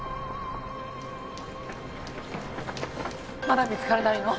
まだ見つからないの？